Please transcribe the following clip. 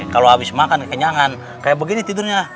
kalau habis makan kenyangan kayak begini tidurnya